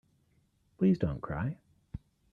Please don't cry.